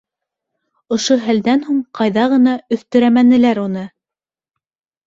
Ошо хәлдән һуң ҡайҙа ғына өҫтөрәмәнеләр уны.